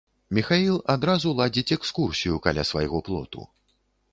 Міхаіл адразу ладзіць экскурсію каля свайго плоту.